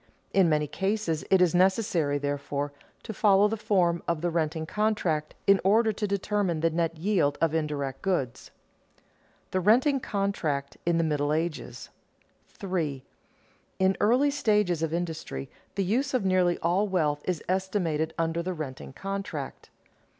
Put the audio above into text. In many cases it is necessary, therefore, to follow the form of the renting contract in order to determine the net yield of indirect goods. [Sidenote: The renting contract in the middle Ages] 3. _In early stages of industry the use of nearly all wealth is estimated under the renting contract.